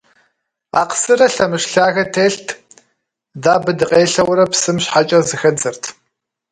Акъсырэ лъэмыж лъагэ телът, дэ абы дыкъелъэурэ псым щхьэкӏэ зыхэддзэрт.